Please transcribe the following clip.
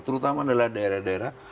terutama adalah daerah daerah